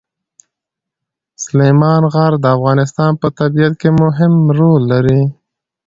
سلیمان غر د افغانستان په طبیعت کې مهم رول لري.